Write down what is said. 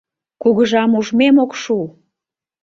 Кугыжам ужмем ок шу!